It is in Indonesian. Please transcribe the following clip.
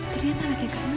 ternyata anaknya kak nailah